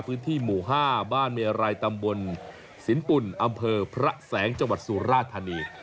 พื้นที่หมู่๕บ้านเมรัยตำบลสินปุ่นอำเภอพระแสงจังหวัดสุราธานี